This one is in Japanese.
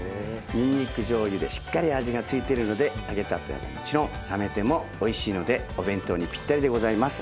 にんにくじょうゆでしっかり味が付いてるので揚げたてはもちろん冷めてもおいしいのでお弁当にぴったりでございます。